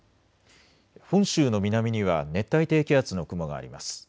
本州の南には熱帯低気圧の雲があります。